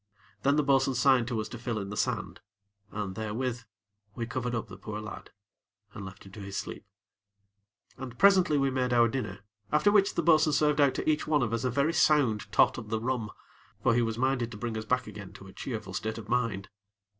Then, the bo'sun signed to us to fill in the sand; and, therewith, we covered up the poor lad, and left him to his sleep. And, presently, we made our dinner, after which the bo'sun served out to each one of us a very sound tot of the rum; for he was minded to bring us back again to a cheerful state of mind.